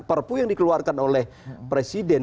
perpu yang dikeluarkan oleh presiden